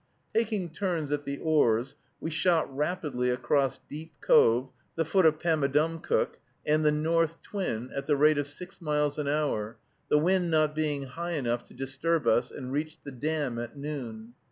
Taking turns at the oars, we shot rapidly across Deep Cove, the foot of Pamadumcook, and the North Twin, at the rate of six miles an hour, the wind not being high enough to disturb us, and reached the Dam at noon.